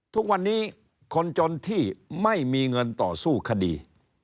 ทุกวันนี้คนจนที่ไม่มีเงินต่อสู้คดี